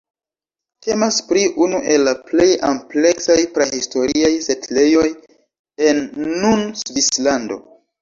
Temas pri unu el la plej ampleksaj prahistoriaj setlejoj en nun Svislando.